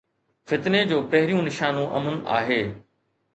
فتني جو پهريون نشانو امن آهي.